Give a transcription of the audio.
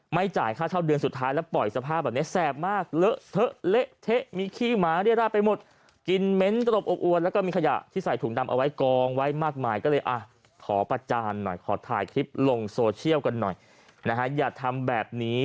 ไม่จ่ายค่าเช่าเดือนสุดท้ายแล้วปล่อยสภาพแบบนี้